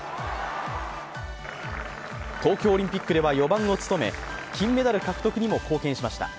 東京オリンピックでは４番を務め金メダル獲得にも貢献しました。